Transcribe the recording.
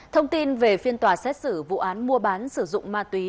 thông tin về phiên tòa xét xử vụ án mua bán sử dụng ma túy